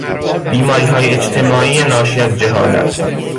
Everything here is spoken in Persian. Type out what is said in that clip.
بیماری های اجتماعی ناشی از جهالت